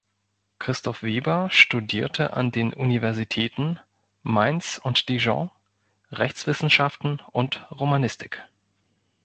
Christoph Weber studierte an den Universitäten Mainz und Dijon Rechtswissenschaften und Romanistik.